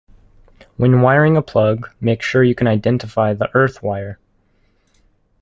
When wiring a plug, make sure you can identify the earth wire